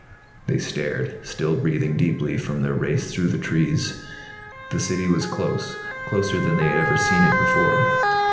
They stared, still breathing deeply from their race through the trees. The City was close, closer than they had ever seen it before.